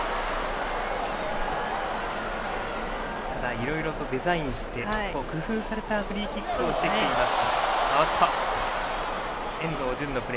いろいろとデザインして工夫されたフリーキックをしてきています。